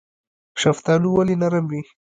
شفتالو ولې نرم وي؟